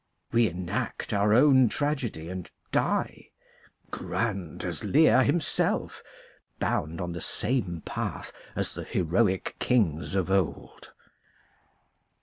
We enact our own tragedy and die, grand as Lear himself, bound on the same path as the heroic kings of old.